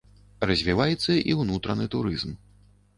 Развіваецца і ўнутраны турызм.